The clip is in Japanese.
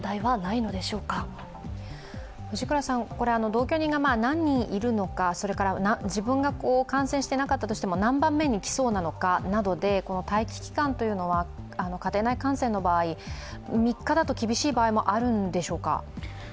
同居人が何人いるのか自分が感染していなかったとしても何番目にきそうなのかで待機期間は家庭内感染の場合３日だと厳しい場合もあるんでしょうか。